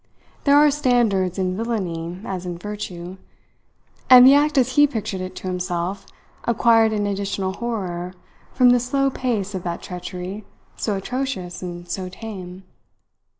There are standards in villainy as in virtue, and the act as he pictured it to himself acquired an additional horror from the slow pace of that treachery so atrocious and so tame.